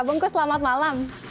bungkus selamat malam